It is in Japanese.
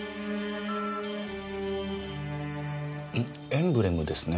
エンブレムですね。